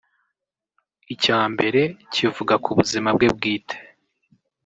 Icya mbere kivuga ku buzima bwe bwite